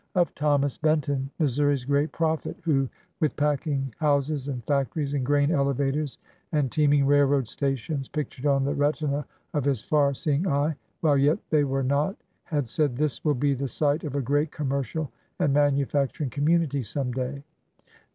Of Thomas Benton, Missouri's great prophet, who, with packing houses and factories and grain elevators and teeming railroad stations pictured on the retina of his far seeing eye, while yet they were not, had said :'' This will be the site of a great commercial and manu facturing community some day